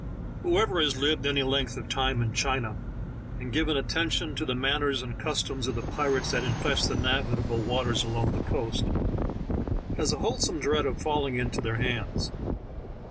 HOEVER has lived any length of time in China, and given attention to the manners and eustoms of the pirates that infest the navigable waters along the eoast, has a whole some dread of falling into their hands.